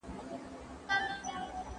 د حکومت ونډه څه ده؟